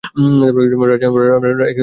রাজা হতে আমি ভালোবাসি।